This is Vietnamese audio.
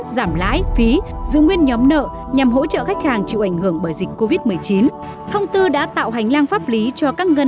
xin chào và hẹn gặp lại